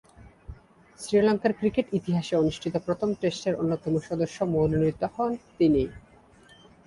শ্রীলঙ্কার ক্রিকেট ইতিহাসে অনুষ্ঠিত প্রথম টেস্টের অন্যতম সদস্য মনোনীত হন তিনি।